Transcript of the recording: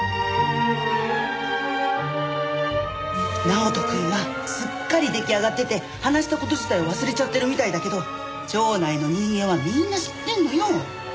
直人くんはすっかり出来上がってて話した事自体忘れちゃってるみたいだけど町内の人間はみんな知ってんのよ。